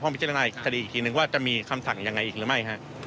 ห้องพิจารณาอีกทีหนึ่งว่าจะมีคำสั่งอย่างไรอีกหรือไม่ครับ